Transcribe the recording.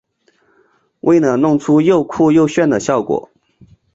为了弄出又酷又炫的效果